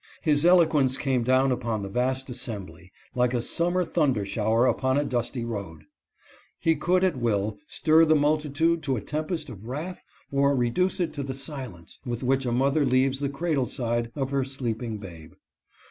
His eloquence came down upon the vast assembly like a sum mer thunder shower upon a dusty road. He could at will stir the multitude to a tempest of wrath or reduce it to the silence with which a mother leaves the cradle side of her sleeping babe.